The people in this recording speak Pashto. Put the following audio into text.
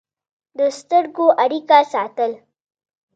د سترګو اړیکه ساتل